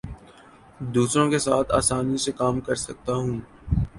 دوسروں کے ساتھ آسانی سے کام کر سکتا ہوں